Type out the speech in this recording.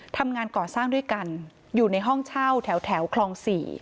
ทำงานก่อสร้างด้วยกันอยู่ในห้องเช่าแถวคลอง๔